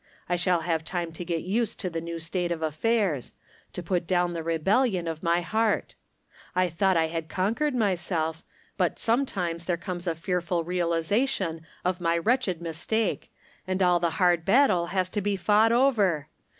I shall have time to get used to the new state of affairs — to put down the rebellion of my heart. I thought I had conquered myself, but sometimes there comes a fearful realization of my wretched 270 From Different Standpoints. mistake, and all the hard battle has to be fought oyer